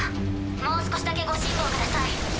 もう少しだけご辛抱ください。